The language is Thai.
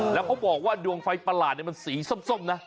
แล้วเขาบอกว่าดวงไฟประหลาดมันสีส้มนะ